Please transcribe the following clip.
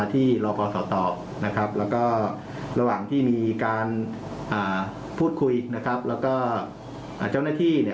ที่มีการพูดคุยนะครับแล้วก็เจ้าหน้าที่